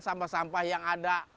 sampah sampah yang ada